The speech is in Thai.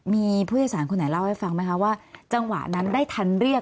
มีผู้โดยสารคนไหนเล่าให้ฟังไหมคะว่าจังหวะนั้นได้ทันเรียก